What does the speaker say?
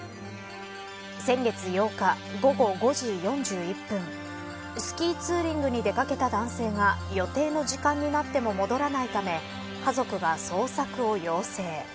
先月８日、午後５時４１分スキーツーリングに出掛けた男性が予定の時間になっても戻らないため家族が捜索を要請。